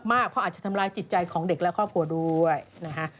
เพราะอาจจะทำลายจิตใจของเด็กและครอบครัวด้วยนะฮะ